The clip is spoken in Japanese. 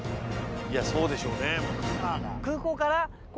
いやそうでしょうね。